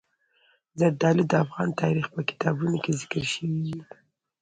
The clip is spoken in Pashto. زردالو د افغان تاریخ په کتابونو کې ذکر شوی دي.